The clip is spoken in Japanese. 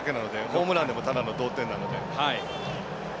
ホームランでもただの同点なので。